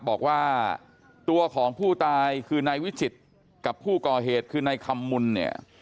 บอกว่าตัวของผู้ตายคือนายวิจิตรกับผู้ก่อเหตุคือนายคำมุนเนี่ย